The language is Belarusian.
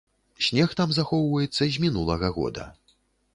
Снег там захоўваецца з мінулага года.